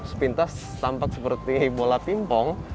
sepintas tampak seperti bola pimpong